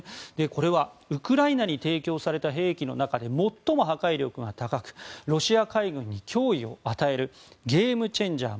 これはウクライナに提供された兵器の中で最も破壊力が高くロシア海軍に脅威を与えるゲームチェンジャー。